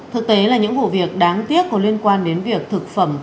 thực tế là những vụ việc đáng tiếc có liên quan đến việc thực phẩm không đạt được